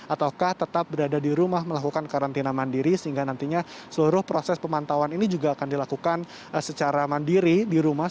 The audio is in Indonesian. ataukah tetap berada di rumah melakukan karantina mandiri sehingga nantinya seluruh proses pemantauan ini juga akan dilakukan secara mandiri di rumah